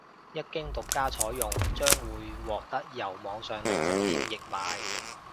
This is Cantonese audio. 一經獨家採用將會獲得由網上零食店易買